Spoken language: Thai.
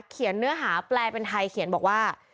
เนื้อหาแปลเป็นไทยเขียนบอกว่า